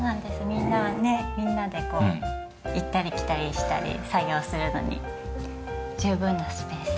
みんなみんなでこう行ったり来たりしたり作業するのに十分なスペース。